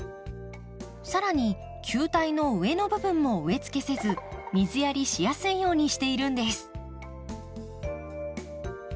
更に球体の上の部分も植えつけせず水やりしやすいようにしているんです。